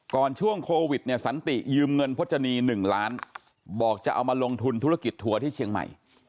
ช่วงโควิดเนี่ยสันติยืมเงินพจนี๑ล้านบอกจะเอามาลงทุนธุรกิจทัวร์ที่เชียงใหม่